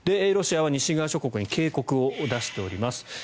ロシアは西側諸国に警告を出しています。